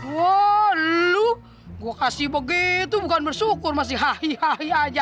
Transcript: wah lo gua kasih begitu bukan bersyukur masih hahih hahi aja